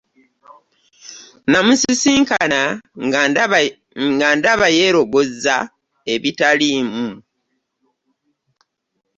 Namusiriikirira nga ndaba yeerogozza ebitaliimu.